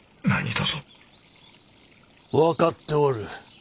分かっておる。